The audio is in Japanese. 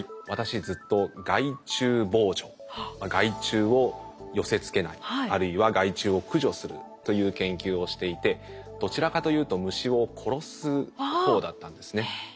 私ずっと害虫を寄せつけないあるいは害虫を駆除するという研究をしていてどちらかというと虫を殺す方だったんですね。